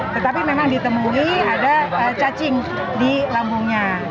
tetapi memang ditemui ada cacing di lambungnya